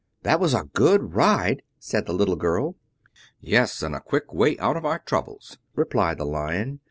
"That was a good ride," said the little girl. "Yes, and a quick way out of our troubles," replied the Lion.